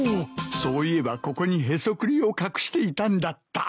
そういえばここにへそくりを隠していたんだった。